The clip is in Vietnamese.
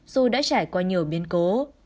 dù đã trải qua nhiều biến cố